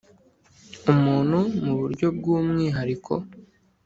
umuntu mu buryo bw’umwihariko